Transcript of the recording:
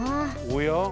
おや？